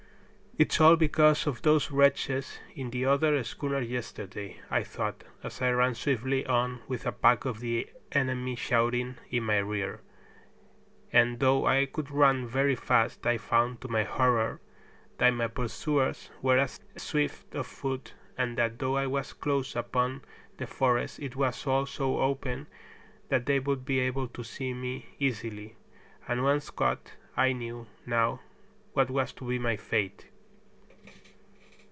"It's all because of those wretches in the other schooner yesterday," I thought, as I ran swiftly on with a pack of the enemy shouting in my rear; and though I could run very fast, I found, to my horror, that my pursuers were as swift of foot, and that though I was close upon the forest it was all so open that they would be able to see me easily, and once caught I knew now what was to be my fate.